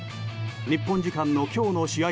日本時間の今日の試合